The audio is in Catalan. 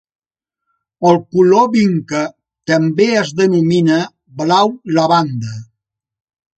El color vinca també es denomina blau lavanda.